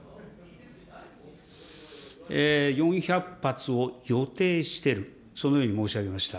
４００発を予定してる、そのように申し上げました。